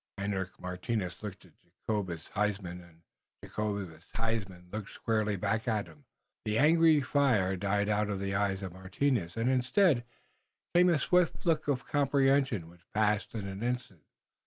Hendrik Martinus looked at Jacobus Huysman and Jacobus Huysman looked squarely back at him. The angry fire died out of the eyes of Martinus, and instead came a swift look of comprehension which passed in an instant.